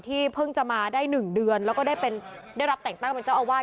เพิ่งจะมาได้๑เดือนแล้วก็ได้รับแต่งตั้งเป็นเจ้าอาวาส